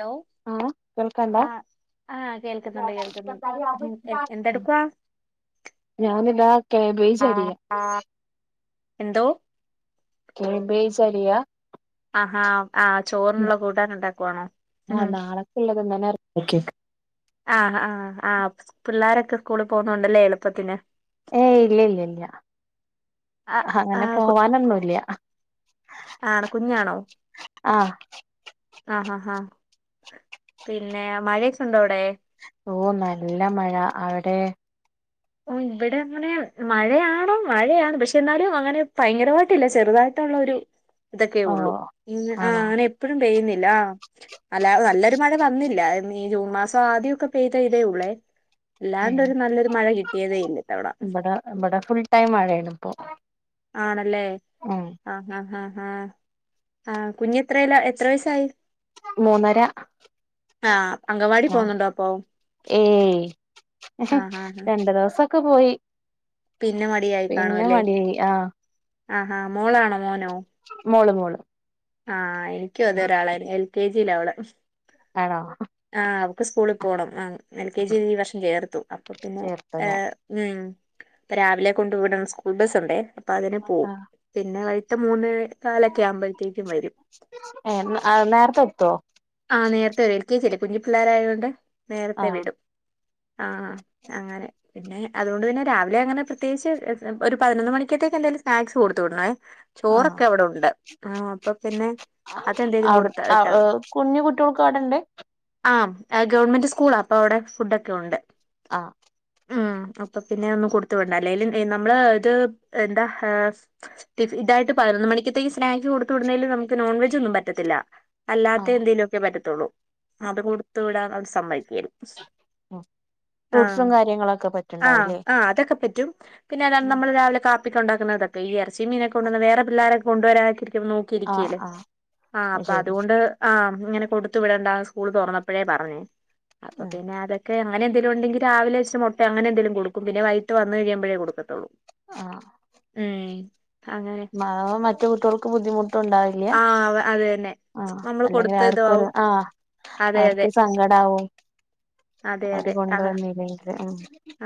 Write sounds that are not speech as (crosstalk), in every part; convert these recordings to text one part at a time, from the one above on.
Hello ആഹ് കേൾക്കണ്ടൊ ആഹ് ആഹ് കേൾക്കുന്നുണ്ട് കേൾക്കുന്നുണ്ട് ഉം, എ- എന്തെടുക്കുവാ (unintelligible) ഞാനിതാ കേബേജ് അരിയാ എന്തോ കേബേജ് അരിയാ ആഹാ ആഹ് ചോറിനുള്ള കൂട്ടാനുണ്ടാക്കുവാണോ ഉം ഇള്ളതിന്ന്ന്നന്നെ എറക് (unintelligible) വെയ്ക്ക് ആഹ് ആഹ് ആഹ് സ് പിള്ളാരൊക്കെ സ്കൂളി പോകുന്നുണ്ടല്ലേ എളുപ്പത്തിന് ഏയ് ഇല്ലില്ലില്ല്യ ആഹ് അങ്ങനെ ആഹ് പോവാനൊന്നുംല്യാ ആണ് കുഞ്ഞാണോ ആഹ് ആഹ് ആഹ് ആഹ് പിന്നെ മഴേക്കെണ്ടോ അവിടെ ഓഹ് നല്ല മഴ അവിടെ ഓഹ് ഇവിടെ അങ്ങനെ മഴയാണോ മഴയാണ് പക്ഷെ എന്നാലും അങ്ങനെ ഭയങ്കരമായിട്ടില്ല ചെറുതായിട് (unintelligible) ഇതൊക്കെ ഓ ഉള്ളൂ ഇങ്ങ ആഹ് ആണോ അങ്ങനെ എപ്പഴും പെയ്യുന്നില്ല അല്ലാതെ നല്ലൊരു മഴ വന്നില്ല ഈ ജൂൺ മാസം ആദ്യോക്കെ പെയ്ത ഇതേ ഉള്ളേ അല്ലാണ്ടൊരു നല്ലൊരു മഴ കി ഇബട ഇബട ഫുൾ ടൈം മഴയാണിപ്പോ ആണല്ലേ ആഹ് ഹാഹ് ഹാഹ് ഹാഹ് ആഹ് കുഞ്ഞെത്രേലാ എത്ര വയസായി മൂന്നര ആഹ് അങ്കവാടി ആഹ് പോന്നുണ്ടോ അപ്പൊ ഏയ് ആഹ് ആഹ് ആഹ് രണ്ട് ദിവസൊക്കെ പോയി പിന്നെ പിന്നെ മടിയായി ആഹ് ആഹ് ഹാ മോളാണോ മോനോ മോള് മോള് ആഹ് എനിക്കും അതെ ഒരാളായി എൽ കെ ജി യില അവള് ആണോ ആഹ് അവക്ക് സ്കൂളിൽ പോണം ആഹ് എൽ കെ ജി ഈ വർഷം ചേർത്തു അപ്പൊ പിന്നെ ചേർത്തൂനെ ഏഹ് ഉം അപ്പ രാവിലെ കൊണ്ട് വിടും സ്കൂൾ ബസ്സ് ഉണ്ടേ അപ്പൊ അതിന് പോവും ആഹ് പിന്നെ വൈകിട്ട് മൂന്ന് നാലൊക്കെ ആകുമ്പഴ്‌ത്തേക്കും വരും ഏഹ് ആഹ് നേരത്തെ എത്തോ ആഹ് നേരത്തെ വരും എൽ കെ ജി അല്ലേ കുഞ്ഞി പിള്ളേരായൊണ്ട് നേരത്തെ ആഹ് വരും ആഹ് അങ്ങനെ പിന്നെ അതുകൊണ്ട് തന്നെ രാവിലെ അങ്ങനെ പ്രത്യേകിച്ച് ഒരു പതിനൊന്ന് മണിക്കത്തേക്ക് എന്തേലും സ്നാക്സ് കൊടുത്തു വിടണേ ആഹ് ചോറൊക്കെ അവിടെ ഉണ്ട് ആഹ് അപ്പൊ പിന്നെ അത് എന്തേലും അവിടെ കൊടുത്ത ഇട്ടാ കുഞ്ഞു കുട്ടികൾക്കും അവിടെണ്ട് ആഹ് ഗവൺമെന്റ് സ്കൂളാ അപ്പൊ അവിടെ ഫുഡ് ഒക്കെ ഉണ്ട് ആഹ് ഉം അപ്പൊ പിന്നെ ഒന്നും കൊടുത്തു വിടേണ്ട അല്ലേലും നമ്മള് ഇത് എന്താ ഹാസ് ടിഫ് ഇതായിട്ട് പതിനൊന്ന് മണിക്കത്തേക്ക് സ്നാക്ക്സ് കൊടുത്ത് വിടുന്നേലും നമുക്ക് നോൺവെജ് ഒന്നും പറ്റത്തില്ല അല്ലാത്ത ആഹ് എന്തേലുമൊക്കെ പറ്റത്തുള്ളൂ അത് കൊടുത്തു വിടാൻ അവിടെ സമ്മതിക്കുകേല് ആഹ് ഫ്രൂട്ട്സും കാര്യങ്ങളൊക്കെ ആഹ് പറ്റുണ്ടാവുംല്ലേ ആഹ് അതൊക്കെ പറ്റും പിന്നെ ഏതാണ് നമ്മള് രാവിലെ കാപ്പിക്ക് ഒണ്ടാക്കുന്നതൊക്കെ ഈ എറച്ചിയും മീനോക്കെ കൊണ്ട് വന്ന് വേറെ പിള്ളേരൊക്കെ കൊണ്ടുവരാതിരിക്കുന്നു ആഹ് ക്കിരിക്കീലേ ആഹ് ആഹ് അത് അപ്പൊ അതു ശരി കൊണ്ട് ആഹ് ഇങ്ങനെ കൊടുത്തു വിടണ്ട സ്കൂള് തൊറന്നപ്പഴേ പറഞ്ഞ് അപ്പൊ പിന്നെ അതൊ ക്കെ അങ്ങനെ എന്തേലും ഒണ്ടെങ്കിൽ രാവിലെ വെച്ച മുട്ടയൊ അങ്ങനെ എന്തേലും കൊടുക്കും പിന്നെ വൈകിട്ട് വന്നു കഴിയമ്പഴേ കൊടുക്കത്തൊള്ളൂ ആഹ് ഉം അങ്ങനെ അതാവുമ്പോ മറ്റു കുട്ട്യൾക്കും ബുദ്ധിമുട്ടുണ്ടാവി വില്യ ആഹ് അത് തന്നെ ആഹ് നമ്മള് അല്ലെങ്കിൽ കൊടുത്ത അവർക്കൊരു ഇതാവും ആഹ് അതെ അതെ അവർക്കും സങ്കടാവും അതെ അവര് അതെ ആഹ് കൊണ്ടുവന്നില്ലെങ്കിൽ ഉം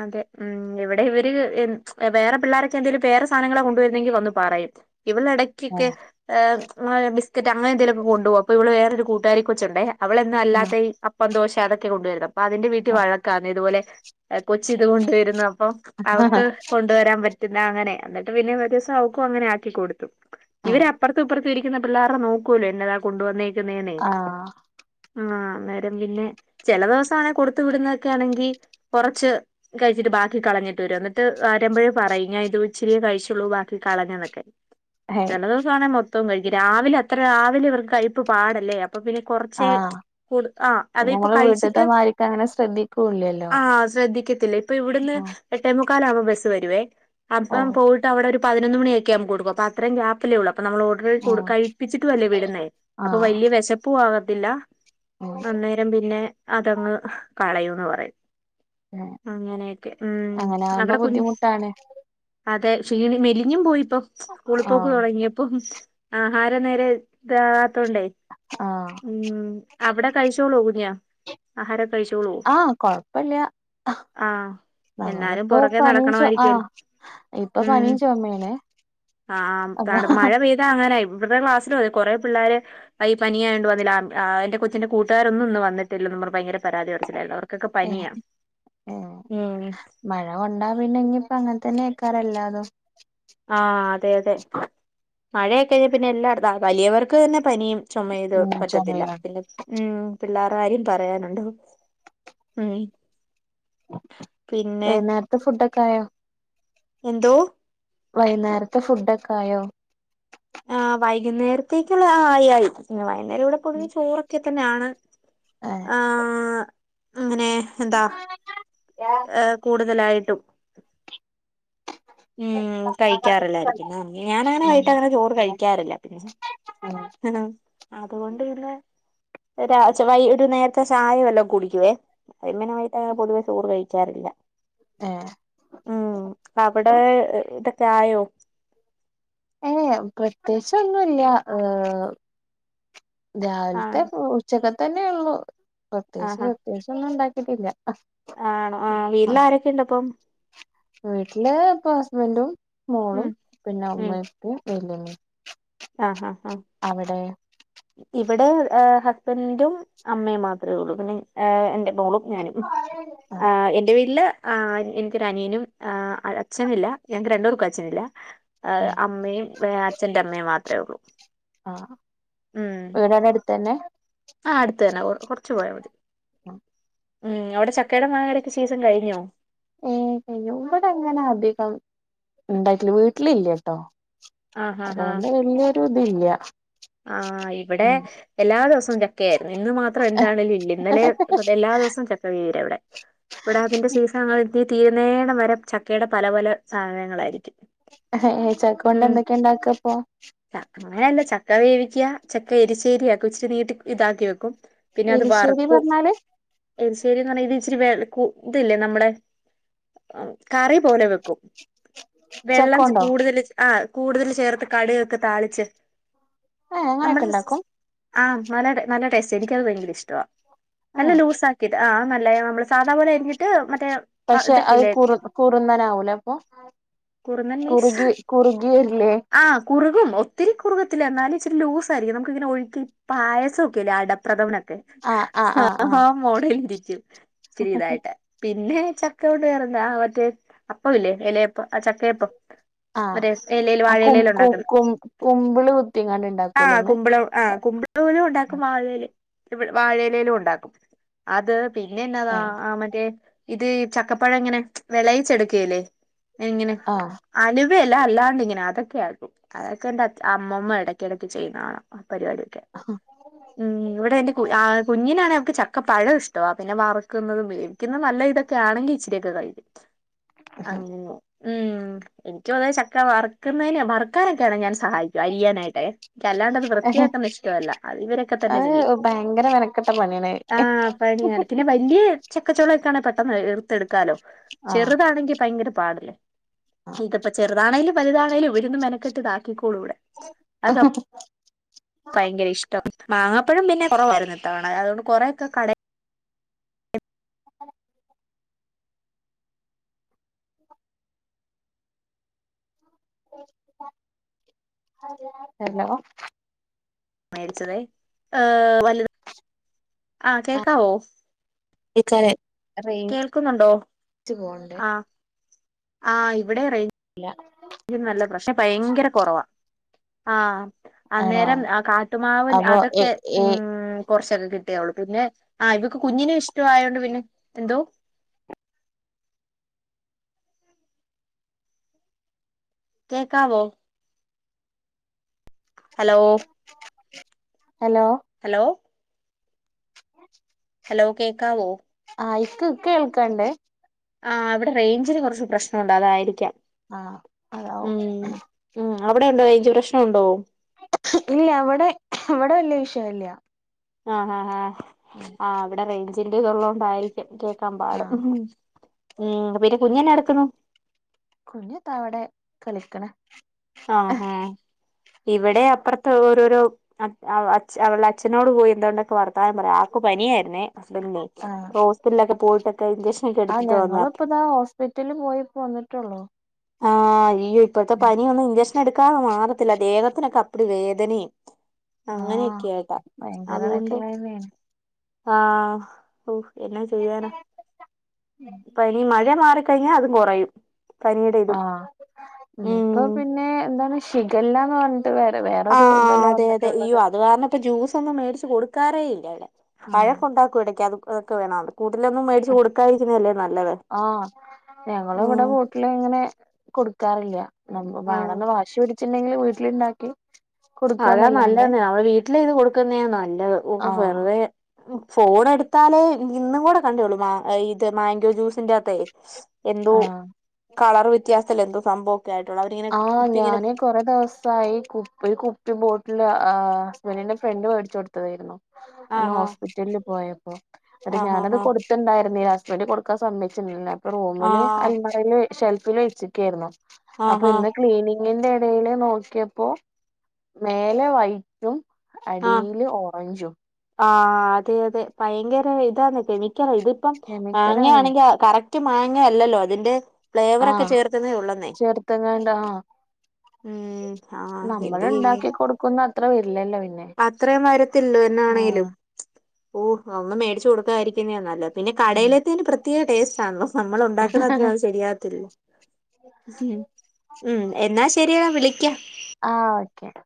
അതെ ഉം ഇവിടെ ഇവര് എൻ വേറെ പിള്ളാരൊക്കെ എന്തേലും വേറെ സാധനങ്ങള കൊണ്ട് വരുന്നെങ്കി വന്ന് പറയും ഇവളെട ക്കെക്കേ ആഹ് ഏഹ് ബിസ്ക്കറ്റ് അങ്ങനെ എന്തേലൊക്കെ കൊണ്ട് പോകും അപ്പോ ഇവള വേറൊരു കൂട്ടുകാരി കൊച്ചൊണ്ടെ അവളെന്നും അല്ലാത്തെ ഈ അപ്പം ദോശ അതൊക്കെ കൊണ്ടു വരുന്നേ അപ്പൊ അതിന്റെ വീട്ടി വഴക്കാണ് ഇതുപോലെ കൊച്ച് ഇത് കൊണ്ടു വരുന്നു അപ്പം അവക്ക് കൊൻ ണ്ട് വരാൻ പറ്റുന്നേ അങ്ങനെ എന്നിട്ട് പിന്നെ ഒരു ദിവസം അവക്കും അങ്ങന ആക്കി കൊടുത്തു ആഹ് ഇവര് അപ്പർത്തും ഇപ്പർ ത്തും ഇരിക്കുന്ന പിള്ളാരത് നോക്കൂലേ എന്നതാ കൊണ്ട് വന്നേക്കുന്നേന്നെ ആഹ് ആഹ് അന്നേരം പിന്നെ ചെല ദിവസം ആണേ കൊടുത്തു വിടുന്നേക്കെ ആണെങ്കി കൊറച്ച് കഴിച്ചിട്ട് ബാക്കി കളഞ്ഞിട്ട് വരും എന്നിട്ട് വരുമ്പോഴേ പറയും ഇത് ഇച്ചിരി കഴിച്ചുള്ളൂ ബാക്കി കളഞ്ഞന്നൊക്കെ ഹേ ചില ദിവസആണെ മൊത്തം കഴിക്കും രാവിലെ അത്ര രാവിലെ ഇവർക്ക് കയപ്പ് പാടല്ലേ അപ്പൊ പിന്നെ കുറച്ച് ആഹ് കൂടു ആ അത് ഇപ്പൊ കഴിച്ചിട്ട് ഇത് അങ്ങനെശ്രെദ്ധികുല്ലേ ആ ശ്രദ്ധിക്കത്തില്ല ഇപ്പൊ ഇവിടുന്ന് എട്ടേമുക്കാലവുമ്പോ ബസ്സ് വരുവേ അപ്പം ഓഹ് പോയി ട്ട് അവിടെ ഒരു പതിനൊന്ന് മണിഒക്കെ ആമ്പം കൊടുക്കും അപ്പം അത്രം ഉള്ളു അപ്പം നമ്മളോ കെ കുട് ഓഹ് കഴിപ്പിച്ചിട്ടു അല്ലേ വിടന്നെ അപ്പൊ ആഹ് വലിയ വിശപ്പും ആകത്തില്ല അന്നേ രം പിന്നെ അതങ്ങ് കളയുന്ന് പറയും ആഹ് അങ്ങനെഒക്കെ ഉം അങ്ങനെ ആകുമ്പോ അവിടെ കുഞ് ബുദ്ധിമുട്ടാണ് അതെ ക്ഷീണി മെലിഞ്ഞും പോയിപ്പോ സ്കൂളിൽ പോക്ക് ആഹ് തുടങ്ങിയപ്പം ആഹാരം നേരെ ഇതവാത്തോണ്ടേ ആഹ് ഉം അവിടെ കഴിച്ചോളു കുഞ് ആഹാര ആ കൊഴപ്പില്ല ആഹ് ആഹ് എന്നാലും ഞങ്ങളിപ്പോ പുറകെ പനിഞ്ചോ ആഹ് നടക്കണമായിരിക്കുവല്ലോ ഇപ്പൊ പനിഞ്ചോമേനെ ആം താണ് മഴ പെയ്താ അങ്ങനൊയ ഇവിടുത്തെ ക്ലാസിലും അതെ കുറെേ പിള്ളരെ ഈ പനിയാണ്ട് വന്നില്ല ആം ആ എന്റെ കൊച്ചിന്റെ കൂട്ടുകാരൊന്നും ഇന്ന് വന്നിട്ടില്ലന്ന് പറഞ്ഞു ഭയങ്കര പരാതി പറച്ചിലാരുന്നു അവ ഏഹ് ഏഹ് ഉം മഴ കൊണ്ടപിന്നെ ഇന്നിപ്പ അങ്ങനെ തന്നെ അര്ക്കാര് എല്ലാരും ആ അതെ അതെ മഴയൊക്കെയാൽ പിന്നെ എല്ലടത്ത് വലിയവർക്ക് തന്നെ പനിയും ചുമയ്ത് ഉം പറ്റത്തില്ല ചുമയാണ് പിന്നെ ഉം പിള്ളർടെകാര്യം പറയാനുണ്ടോ ഉം പിന്നെ വൈകുന്നേരത്തെ ഫുഡൊക്കെ ആയോ? എന്തോ വൈകുന്നേരത്തെ ഫുഡഒക്കെ ആയോ ആഹ് വൈകുന്നേരത്തേക്കുള്ള ആയി ആയി പിന്നെ വൈകുന്നേരം ഇവിടെപ്പോഴും ചോറൊക്കെ തന്നെആണ് ആഹ് ആങ്ങ് അങ്ങനെ എന്താ ഏ കൂടുതലായിട്ടും ഉം കഴിക്കാറില്ലായിരിക്കും ഞാൻ ഞാനാണ് വൈട്ട് അങ്ങനെ ചോറ് കഴിക്കാറില്ല പിന്നെ ആണോ അതുകൊണ്ട് പിന്നെ രാജ വൈട്ടു നേര ത്തെ ചായവെല്ലാം കുടിക്കുവേ ഇങ്ങനെ വൈകിട്ട് പൊതുവേ ചോറ് കഴിക്കാറില്ല ഏഹ് ഉം അവിടെ ഇതൊക്കെ ആയോ ഏഹ് പ്രത്യേകിച്ച് ഒന്നുല്ല ഏഹ് രാവിലത്തെ ആണ് ഉച്ചക്കത്തന്നെ ഉള്ളൂ പ്രത്യേകിച്ച് ആഹാ പ്രതേകിച്ചൊന്നും ഉണ്ടാക്കിട്ടില്ല ആണോ ആഹ് വീട്ടിലരൊക്കെണ്ട് അപ്പം വീട്ടില് ഇപ്പൊ ഹസ്ബൻറ്റും, മോളും, ഉം പിന്നെ ഉം ഉമ്മേം ഉപ്പേം വല്യമമ്മേം ആഹ് ആഹ് ആഹ് അവിടെ ഇവിടെ ഏ ഹസ്ബൻറ്റും, അമ്മയും, മാത്രേള്ളൂ പിന്നെ ഏ എന്റെ മോളും ഞാനും ആഹ് ആഹ് എന്റെ വീട്ടില് ആഹ് എനിക്കൊരു അനിയനും അച്ഛനില്ല ഞക്ക് രണ്ടൂർക്കും അച്ഛനില്ല ഏ ആഹ് അമ്മയും അച്ഛന്റെ അമ്മേയും മാത്രേള്ളൂ ആഹ് ഉം വീട് അവിടെ അടുത്ത്ന്നെ ആഹ് അടുത്ത് തന്നെ കുറച്ച് പോയാമതി ഉം അവിടെ ചക്കടെ മങ്ങേടെക്കെ സീസൺ കഴിഞ്ഞോ? ഉം കയിഞ്ഞു ഇവിടെ അങ്ങനെ അധികം ഉണ്ടായിട്ടില്ല വീട്ടിലില്ലട്ടോ ആഹ് ആഹ് ആഹ് അതുകൊണ്ട് വല്ല്യയൊരു ഇതില്ല ആഹ് ഇവിടെ ഉം എല്ലാ ദിവസവും ചക്കയായിരുന്നു ഇന്ന് മാത്രം എന്താണലും ഇല്ല ഇന്നലെ എല്ലാ ദിവസവും ചക്ക വീര ഇവിടെ ഇവിടെ അതിന്റെ സീസൺ തീരുന്നേടം വരെ ചക്കയുടെ പല പല സാധനങ്ങളായിരിക്കും ചക്ക കൊണ്ട് എന്തൊക്കെയ ഉണ്ടാക്കപ്പോ അങ്ങനല്ല ചക്ക വേവിക്കുക ചക്ക എരിശേരിയാക്കും ഇച്ചി നീട്ടി ഇതാക്കി വെക്കും പിന്നെ അത് എരിശ്ശേരി വറക്കും പറഞ്ഞാല് എരിശേരിന്ന് പറഞ്ഞ ഇത് ഇച്ചിരി വില ക്കും ഇതില്ലേ നമ്മളെ കറി പോലെ വെക്കും വെള്ളം ചക്കോണ്ടോ കൂടുതൽ ആഹ് കൂടുതൽ ചേർത്ത് കടുകൊക്കെ താളിച്ച് ഏഹ് നമ്മ അങ്ങനെയൊക്കെ ഉണ്ടാക്കും ആഹ് അതേതെ നല്ലടേസ്റ്റ് എനിക്കത് ഭയങ്കരം ഇഷ്ടവാ നല്ല ആഹ് ലൂസാ ആഹ് നല്ല നമ്മള് സാദാ പോലെ അരിഞ്ഞിട്ട് മറ്റേ പഷേ അഹ് ഇതൊക്കെല്ലേ കുർ. കൂറുന്നാന ആവൂലേ അപ്പൊ കുറുകി കുറുകിവരില്ലേ.. ആഹ് കുറുകും ഒത്തിരി കുർ ഇല്ല എന്നാലും ഇച്ചരി ലൂസ ആയിരിക്കും നമുക്ക്ങ്ങെനെ. ഒഴുകി. പായസൊക്കെല്ലേ. അടപ്രഥമൻ ഒക്കെ അടപ്രദമനൊക്കെ.. ആഹ് മോഡൽരിക്കും. ഇച് രി ഇതായിട്ട് പിന്നെ ചക്ക കൊണ്ട്. വെറെന്താ മറ്റേ അപ്പവില്ലേ. യെലെ ആ ചക്കയപ്പം ആഹ് അത് എലേല് വാഴ എലെല് ഉണ്ടാക്കുന്ന കുബ്ള് കുത്തിങ്ങാണ്ട് ഇണ്ടാക് ആഹ് കുമ്പളം. ആ കുംബ് ലും ഉണ്ടാക്കും വാഴലേല് വാഴലേലും ഉണ്ടാക്കും അത് പിന്നെ എനാന്താ. ആ മറ്റേ ഇത് ചക്കപ്പഴം ഇങ്ങനെ വെളയിച്ചെടുകെലേ. എങ്ങനെ അലുവയല്ല. അല്ലാണ്ട് ഇങ്ങനെ അതൊക്കെയാകും. അതൊക്കെന്റെച്ച അമ്മമ്മോ എടയ്കെടയ്ക്ക് ചെയ്യുന്നെ കാണാ ആ പരിപാടിയൊക്കെ. ഇമ്മ് ഇവിടെ എന്റെ കു ആ കുഞ്ഞിനാണ് അവൻക്ക് ചക്ക ഒക്കെ പഴം ഇഷ്ടവ. പിന്നെ വറക്കുന്നുന്നതും. വേവിക്കുന്നത് നല്ല ഇതൊക്കെ ആണെങ്കി ഇച്ചിരിയക്കെ കഴിക്കും അങ്ങനെ ഇമ്മ് എന്നികു അതെ ചക്ക വറക്കുന്നയിനെ വറുക്കാനൊക്കെണ് ഞാൻ സഹായി അരിയ്യനായിട്ടെ.. ക്യ അല്ലാണ്ട് അത് ആഹ് വൃത്തിയാക്കുന്ന ഇഷ്ടല്ല അത് ഇവരൊക്കെ തന്നെ അത് ചെയ്യും ഭയങ്കര മെനക്കെട്ട പണിയാണ് ആഹ് പണിയാണ് പിന്നെ പയ് ങ്കി. ചെക്കച്ചോള ഒക്കാണ. പെട്ടെന്ന് എർത്തെടുക്കാലോ. ആഹ് ചെറുതാണെങ്കി ഭയങ്കര പാടല്ലേ ഇത്പ്പോ ചെറുതാണെലും വലുതാണേലും ഇവിരുന്ന് മെനക്കെട്ട് ഇതാക്കിക്കോളൂ ഇവിടെ അത് ആഹ ഹ്.. ഭയങ്കര ഇഷ്ടം മാങ്ങപ്പഴം പിന്നെ കൊറവായിരുന്നു ഇത്തവണ അതു കെണ്ട് കൊറേയൊക്കെ കടെ ഹെലോ മേടിച്ചതെ ഏഹ് വവലുത് ആ കേക്കാവോ ഇക്കാരെ റേഞ്ച് കേൾക്കുന്നുണ്ടോ പോണ്ട് ഇല്ല ആഹ് ആഹ് ഇവിടെ റെയ് ഇല്ല യും നല്ല പ്രാഷ് പയങ്കര കൊറവാ. ആഹ് ആണോ അന്നേരം അഹ് കാട്ടുമാവൻ അപ്പൊ എ അതൊക്കെ ഏ മ്മ്ഹ് കൊറച്ചൊക്കെ കിട്ടിയവൾ പിന്നെ ആഹ് ഇവക്ക് കുഞ്ഞിനെ ഇഷ്ട ആയോണ്ട് പിന്നെ, എന്തോ? കേക്കാവോ? ഹലോ ഹലോ ഹലോ ഹലോ കേക്കാവോ? ആഹ് ഇക്ക് ഇക്കേൾക്കണ്ട്. ആഹ് ഇവടെ റെയ്ഞ്ചിന് കൊറച്ച് പ്രശ്ന ഉണ്ട് അതായിരിക്ക്യാം. ആഹ് അതാവും മ്മ്ഹ്. മ്മ്ഹ്. അവിടെ ഉണ്ടോ റെയ്ഞ്ചു പ്രശ്നം ഉണ്ടോ? ഇല്ലാ വടെ ഇവടെ വല്ല്യ വിഷയല്ല്യ. ആഹ് ഹാ ഹാ. ആഹ് ഇവടെ റെയ്ഞ്ചിന്റെ ഇതുള്ളോണ്ടായിരിക്കും. കേക്കാൻ പാട് ആഹ് മ്മ്ഹ്. പിന്നെ കുഞ്ഞെന്നാ എട്ക്ക്ണു? കുഞ്ഞ് ദാ വടെ കളിക്ണ്. ആഹ് ഹേ ഇവടെ അപ്പർത്ത് ഓരോരോ അച് അവ അച്ച് അവൾടെ അച്ഛനോട് പോയി എന്താണ്ടൊക്കൊ വർ ത്താനം പറയാ. ആർക്ക് പനിയേര്ന്നേ. ഹസ്ബനന്റിനെ. ആഹ് അപ്പോ ഹോസ്പിറ്റലിലൊക്കെ പോയിട്ടൊക്കെ ഇഞ്ചക്ഷനൊക്കെ എടുത്തിട്ട് വന്നതാ. പിറ്റൽല് പോയിപ്പോ വന്നിട്ടൊള്ളോ? ആഹ് അയ്യോ. ഇപ്പഴ്ത്തെ പനിയൊന്നും ഇഞ്ചക്ഷൻ എടുക്കാതെ മാറത്തില്ല. ദേഹത്തിനൊക്കെ അപ്പടി വേദനിം. ആഹ് അങ്ങനെയൊക്കെയായിട്ടാ. അതുകൊണ്ട് ഭയങ്കരായിട്ടുള്ള തന്നെയാണ് ആഹ് ഹൊ എന്നാ ചെയ്യാനാ. പനി, മഴ മാറിക്കഴിഞ്ഞാ അതും കൊറയും. പനിയുടെ ഇതും ആഹ് ഉം ഇപ്പൊ പിന്നെ എന്താണ് ഷിഗല്ലാന്ന് പർഞ് ട്ട് വേറെ വേറൊരു ആഹ് ഇതല്ലേ അതെ അതെ അയ്യോ വന്നിട്ടുള്ളത്. അത് കാരണം ഇപ്പ ജ്യൂസൊന്നും മേടിച്ച് കൊടുക്കാറേ ഇല്ല വടെ. ആഹ് വഴക്കുണ്ടാക്കും എടക്ക് അത് അതൊക്കെ വേണോന്ന്. കൂട്ട്ലെ ഒന്നും മേടിച്ചു കൊടുക്കാതിരിക്കുന്നതല്ലേ ഇരിക്കുന്നല്ലേ നല്ലത് ആഹ് ഞങ്ങള് ഇവിടെ ഉം. വീട്ടില് ഇങ്ങനെ കൊടുക്കാറില്ല. നമ് ആഹ് വേണം ന്ന് വാശി പിടിച്ചിണ്ടെങ്കിൽ വീട്ടില്ണ്ടാക്കി അതാ നല്ലതെന്നേ (unintelligible) വീട്ടിലും ഇത് കൊടുക്കുന്നെയാ നല്ലത്. ഓഹ് ആഹ് വെറുതെ. ഫോൺ എടുത്താലേ ഇന്നും കൂടെ കണ്ടേയുള്ളൂ മേ ഏഹ് ഇത് മാങ്കോ ജ്യൂസിന്റെകത്തെ. എന്തോ ആഹ് കളർ വ്യത്യാസല്ലെ എന്തോ സംഭവ ആഹ് ഞാന് കൊറെ ദിവസ് സായി കുപ്പി ഒരു കുപ്പി ബോട്ടിൽ ഏഹ് ഹസ്ബൻഡിന്റെ ഫ്രണ്ട് മേടിച്ചു കൊടുത്തതേര്ന്നു. അന്ന് ആഹ് ആഹ് ഹോസ്പിറ്റലില് പോയപ്പോ എന്നിട്ട് ആഹ് ഞാനത് ആഹ് ആഹ് കൊടു ത്ത്ണ്ടായിരുന്നില്ല. ഹസ്ബൻ്റ് കൊടുക്കാൻ സമ്മയിച്ചിണ്ടല്ല. അപ്പൊ റൂമില് ആഹ് അൽമാ രേല് ഷെൽഫിൽ വെച്ചെക്കേര്ന്നു. അപ്പ ആഹ് ആഹ് ഇന്ന് ക്ലീനിങ്ങിന്റെ എടെയില് നോക്കിയപ്പോ മേലെ വൈ റ്റും ആഹ് അടിയില് ഓറഞ്ചും. ആഹ് അതെ അതെ ഭയങ്കര ഇതാന്ന് കെമിക്കലാ ഇതിപ്പം കെമിക്കലാണ് വാങ്ങാണെങ്കി അ കറക് റ്റ് മാങ്ങയല്ലല്ലോ അതിന്റെ ഫ്ലേവറൊക്കെ ആഹ് ചേർക്കുന്നെ ഉള്ളന്നേ. ചേർത്തങ്ങാണ്ട് ഉം ചെയ്യാൻ നമ്മള്ണ്ടാക്കി കൊടുക്കുന്ന അത്ര വരില്ലല്ലോ പിന്നെ. അത്രയും വരത്തില്ലല്ലോ എന്നാണേലും ആഹ് ഓഹ് അഒന്നും മേടിച്ച് കൊടുക്കായിരിക്കുന്നെയാ നല്ലത്. പിന്നെ ഉം കടയിലത്തേന് പ്രത്യേക ടേസ്റ്റ് ആണല്ലോ നമ്മൾ ഉണ്ടാക്കുന്ന അത്രേം അത് ശരിയാവത്തില്ലല്ലോ. ഉഹും ഉം എന്നാ ശരിയെടാ വിളിക്ക്യാ. ആഹ് ഓക്കെടാ.